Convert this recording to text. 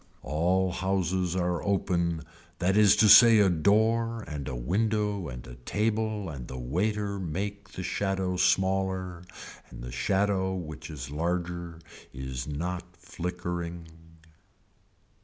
All houses are open that is to say a door and a window and a table and the waiter make the shadow smaller and the shadow which is larger is not flickering.